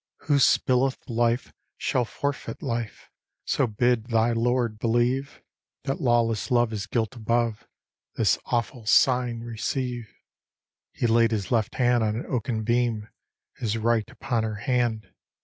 "Who spiUeth life, shall forfeit life; So bid thy lord believe: That lawless love is guilt above, This awful sign receive." He laid his left hand on an oaken beam, His right upon her hand.